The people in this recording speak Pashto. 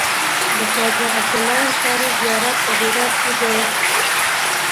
د خواجه عبدالله انصاري زيارت په هرات کی دی